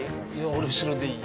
俺、後ろでいい。